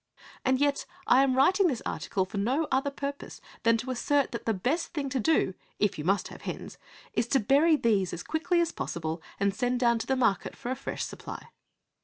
And yet I am writing this article for no other purpose than to assert that the best thing to do, if you must have hens, is to bury these as quickly as possible and send down to the market for a fresh supply.